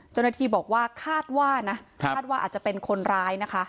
เจ้าหน้าที่บอกว่าคาดว่านะคาดว่าอาจจะเป็นคนร้ายนะคะ